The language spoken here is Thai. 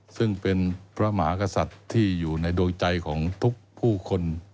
ซึ่งเป็นพระมหากษัตริย์ที่อยู่ในดวงใจของทุกผู้คน